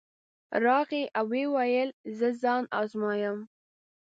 راغی او ویې ویل زه ځان ازمایم.